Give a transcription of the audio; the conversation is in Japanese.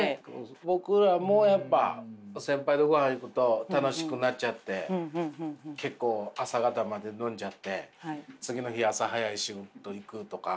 僕らもやっぱ先輩とごはん行くと楽しくなっちゃって結構朝方まで飲んじゃって次の日朝早い仕事行くとか。